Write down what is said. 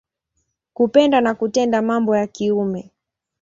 Kupenda na kutenda mambo ya kiume.